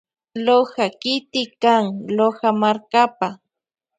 Loja kiti kan Loja markapa.